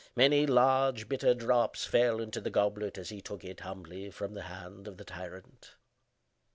Many large, bitter drops fell into the goblet as he took it, humbly, from the hand of the tyrant.